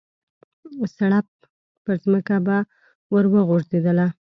سړپ پرځمکه به ور وغورځېدله.